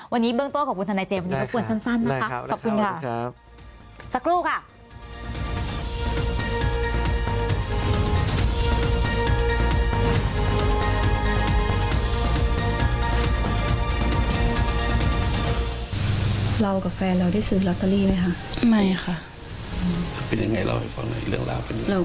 วันนี้เบื้องตัวของคุณธนายเจมส์วันนี้รับควรสั้นนะครับ